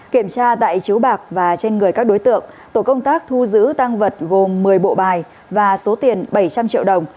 kiểm tra tại chiếu bạc và trên người các đối tượng tổ công tác thu giữ tăng vật gồm một mươi bộ bài và số tiền bảy trăm linh triệu đồng